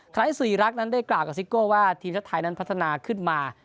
ไร้ศรีรักษ์นั้นได้กล่าวกับซิโก้ว่าทีมชาติไทยนั้นพัฒนาขึ้นมา